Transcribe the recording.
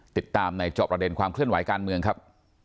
ติดตามในจอบประเด็นความเคลื่อนไหวการเมืองครับ